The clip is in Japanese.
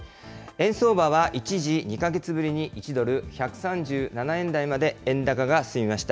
円相場は一時、２か月ぶりに１ドル１３７円台まで円高が進みました。